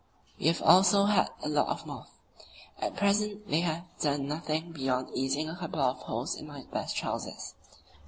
We have also had a lot of moth; at present they have done nothing beyond eating a couple of holes in my best trousers.